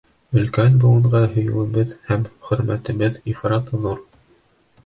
Өлкән быуынға һөйөүебеҙ һәм хөрмәтебеҙ ифрат ҙур.